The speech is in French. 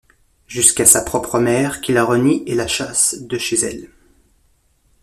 Jusqu'à sa propre mère qui la renie et la chasse de chez elle.